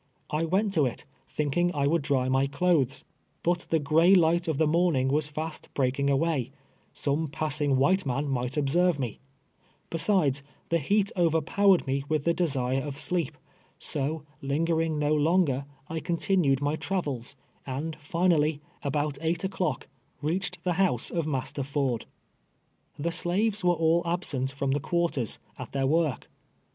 1 went to it, tliinking I wouhl dry my chjthes ; hut the gray light of the morning was fast breaking away, — some j)ass ing white man might observe me ; besides, the heat overpowered me with the desire of sleep : so, linger ing no longer, I continued my travels, and finally, about eight o'clock, reached the house of Master Ford. The slaves were all absent from the quarters, at their M'ork.